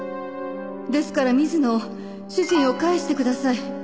「ですから水野を主人を返して下さい」